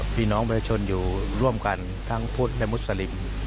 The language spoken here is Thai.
มีน้องประชนอยู่ร่วมกันทั้งภูตผมัยมุสลิม